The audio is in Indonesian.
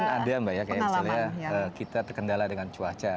mungkin ada mbak ya misalnya kita terkendala dengan cuaca